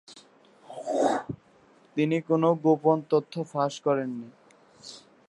তিনি কোনো গোপন তথ্য ফাঁস করেননি।